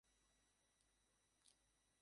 একই বছর "পাকিস্তান টাইমস" বন্ধ করে দেওয়া হয়েছিল।